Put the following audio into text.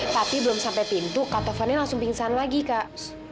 tapi belum sampai pintu kapannya langsung pingsan lagi kak